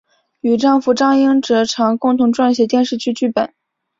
与丈夫张英哲常共同撰写电视剧剧本。